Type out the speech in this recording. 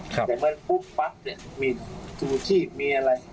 แต่เมื่อปุ๊บปั๊บเนี่ยมีชูชีพมีอะไร